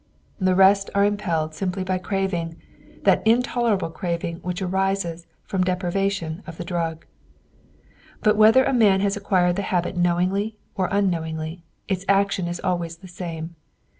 The rest are impelled simply by craving that intolerable craving which arises from deprivation of the drug. But whether a man has acquired the habit knowingly or unknowingly, its action is always the same.